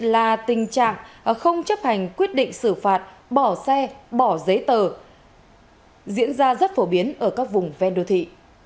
là tình trạng không chấp hành quyết định xử phạt bỏ xe bỏ giấy tờ diễn ra rất phổ biến ở các vùng ven đô thị